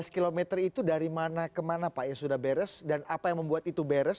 enam belas km itu dari mana ke mana pak ya sudah beres dan apa yang membuat itu beres